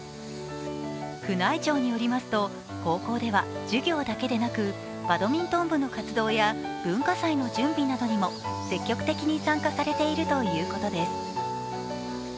宮内庁によりますと、高校では授業だけでなくバドミントン部の活動や文化祭の準備などにも積極的に参加されているということです。